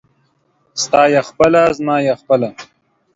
ستا يې خپله ، زما يې خپله.